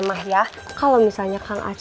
bai kisah muut kalau mau bernotasi